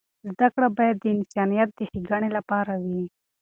زده کړه باید د انسانیت د ښیګڼې لپاره وي.